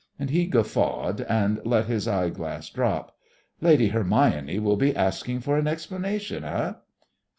And he guffawed and let his eyeglass drop. "Lady Hermione will be asking for an explanation eh?"